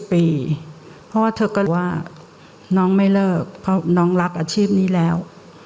เพราะว่าเธอก็บอกว่าน้องไม่เลิกเพราะน้องรักอาชีพนี้แล้ว